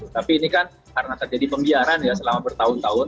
tapi ini kan karena terjadi pembiaran ya selama bertahun tahun